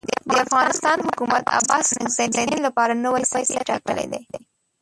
د افغانستان حکومت عباس ستانکزی د هند لپاره نوی سفیر ټاکلی دی.